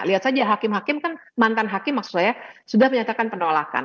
lihat saja hakim hakim kan mantan hakim maksud saya sudah menyatakan penolakan